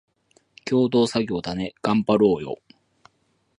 共同作業だね、がんばろーよ